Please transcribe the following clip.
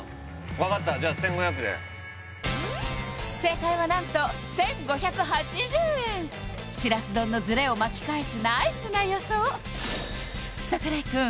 分かったじゃあ１５００で正解は何と１５８０円しらす丼のズレを巻き返すナイスな予想櫻井くん